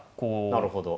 なるほど。